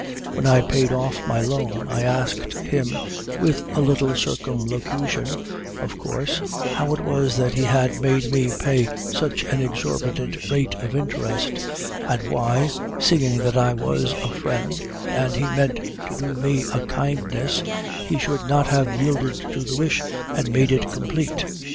When I paid off my loan, I asked him, with a little circumlocution of course, how it was that he had made me pay such an exorbitant rate of interest; and why, seeing that I was a friend, and he meant to do me a kindness, he should not have yielded to the wish and made it complete.